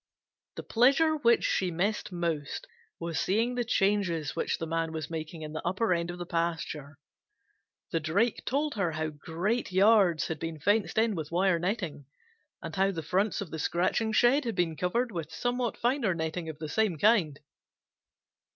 The pleasure which she missed most was seeing the changes which the Man was making in the upper end of the pasture. The Drake told her how great yards had been fenced in with wire netting, and how the fronts of the scratching shed had been covered with somewhat finer netting of the same kind.